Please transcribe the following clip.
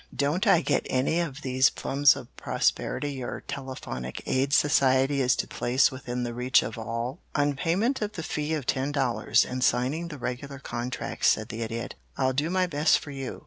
"Don't I get any of these plums of prosperity your Telephonic Aid Society is to place within the reach of all?" "On payment of the fee of ten dollars, and signing the regular contract," said the Idiot. "I'll do my best for you.